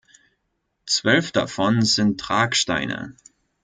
Zwölf davon sind Tragsteine.